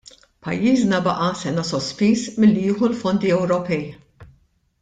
Pajjiżna baqa' sena sospiż milli jieħu l-fondi Ewropej.